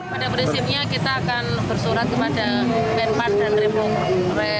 pada prinsipnya kita akan bersorak kepada bnpar dan republik